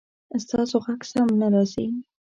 ستاسو غږ سم نه راځي